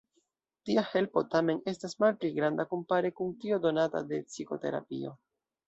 Tia helpo tamen estas malpli granda kompare kun tio donata de psikoterapio.